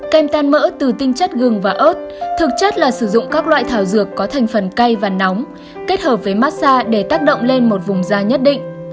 ken mỡ từ tinh chất gừng và ớt thực chất là sử dụng các loại thảo dược có thành phần cay và nóng kết hợp với massage để tác động lên một vùng da nhất định